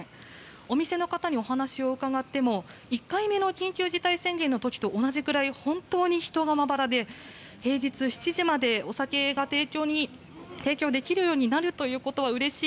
お店の方にお話を伺っても１回目の緊急事態宣言の時と同じくらい本当に人がまばらで平日７時までお酒が提供できるようになることはうれしい。